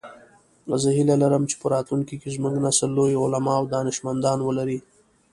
زه هیله لرم چې په راتلونکي کې زموږ نسل لوی علماء او دانشمندان ولری